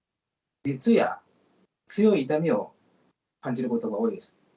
熱や強い痛みを感じることが多いです。